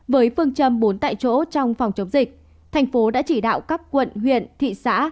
với phương châm bốn tại chỗ trong phòng chống dịch thành phố đã chỉ đạo các quận huyện thị xã